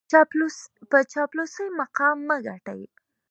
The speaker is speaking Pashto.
په چاپلوسۍ مقام مه ګټئ.